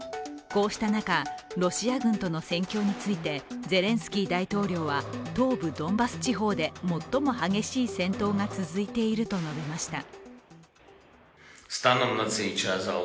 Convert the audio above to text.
こうした中、ロシア軍との戦況についてゼレンスキー大統領は東部ドンバス地方で最も激しい戦闘が続いていると述べました。